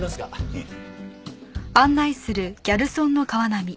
うん。